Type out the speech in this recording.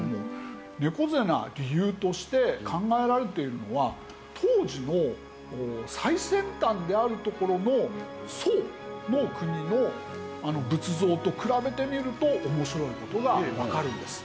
猫背な理由として考えられているのは当時の最先端であるところの宋の国の仏像と比べてみると面白い事がわかるんです。